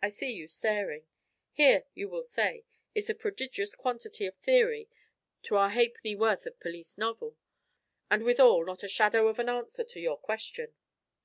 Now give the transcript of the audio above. I see you staring. Here, you will say, is a prodigious quantity of theory to our halfpenny worth of police novel; and withal not a shadow of an answer to your question.